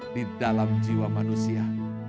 di dalam jiwa manusia